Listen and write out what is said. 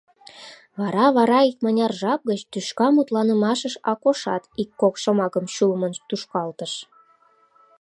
Вара-вара икмыняр жап гыч тӱшка мутланымашыш Акошат ик-кок шомакым чулымын тушкалтыш.